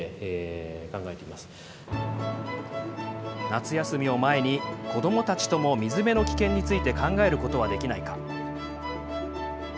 夏休みを前に、子どもたちとも水辺の危険について考えることはできないか。